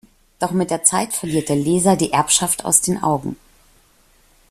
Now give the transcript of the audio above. Doch mit der Zeit verliert der Leser die Erbschaft aus den Augen.